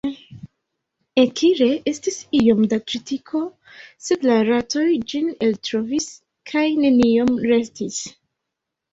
Ekire, estis iom da tritiko, sed la ratoj ĝin eltrovis, kaj neniom restis.